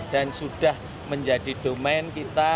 dan sudah menjadi domen kita